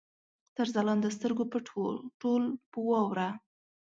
تر ځلانده سترګو پټ وو، ټول په واوره